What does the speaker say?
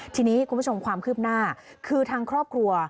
ทีนี้คุณผู้ชมความคืบหน้าคือทางครอบครัว